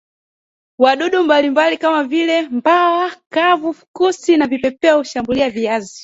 wadudu mbalimbali kama vile mbawa kavu fukusi na vipepeo hushambulia viazi